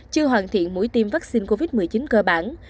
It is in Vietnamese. chưa hoàn thiện mũi tiêm vaccine covid một mươi chín cơ bản